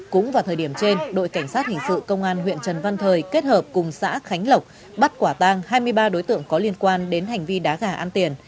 cũng vào thời điểm trên đội cảnh sát hình sự công an huyện trần văn thời kết hợp cùng xã khánh lộc bắt quả tang hai mươi ba đối tượng có liên quan đến hành vi đá gà ăn tiền